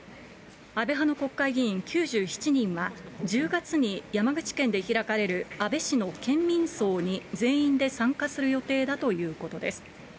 安倍派の国会議員９７人は、１０月に山口県で開かれる安倍氏の県民葬に全員で参加する予定だということです。